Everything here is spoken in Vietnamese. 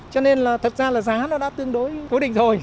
cho nên là thật ra là giá nó đã tương đối cố định rồi